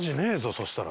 そしたら。